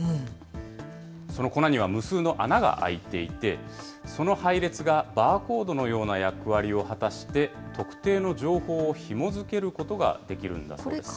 その粉には無数の穴が開いていて、その配列がバーコードのような役割を果たして、特定の情報をひもづけることができるんだそうです。